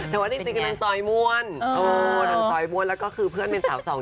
แต่ว่าจริงกำลังซอยม่วนนางซอยม่วนแล้วก็คือเพื่อนเป็นสาวสอง